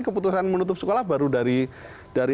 keputusan menutup sekolah baru dari